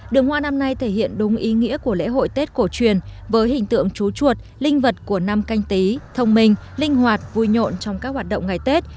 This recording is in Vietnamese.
đường hoa năm nay thể hiện đúng ý nghĩa của lễ hội tết cổ truyền với hình tượng chú chuột linh vật của năm canh tí thông minh linh hoạt vui nhộn trong các hoạt động ngày tết